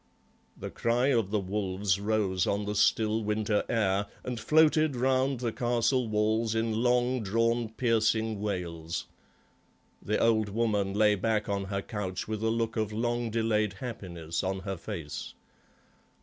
The cry of the wolves rose on the still winter air and floated round the castle walls in long drawn piercing wails; the old woman lay back on her couch with a look of long delayed happiness on her face.